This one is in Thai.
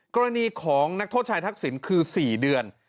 กรณีของนักโทษชายทักษิณคือ๔เดือน